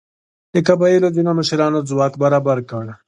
د قبیلو ځینو مشرانو ځواک برابر کړ.